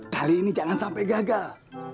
kali ini jangan sampai gagal